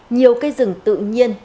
nhiều cây rừng tự nhiên